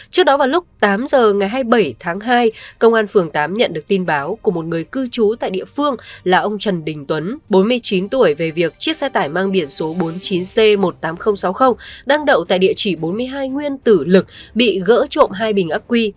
trước đó vào lúc tám giờ ngày hai mươi bảy tháng hai công an phường tám nhận được tin báo của một người cư trú tại địa phương là ông trần đình tuấn bốn mươi chín tuổi về việc chiếc xe tải mang biển số bốn mươi chín c một mươi tám nghìn sáu mươi đang đậu tại địa chỉ bốn mươi hai nguyên tử lực bị gỡ trộm hai bình ác quy